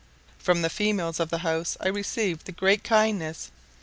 From the females of the house I received the greatest kindness.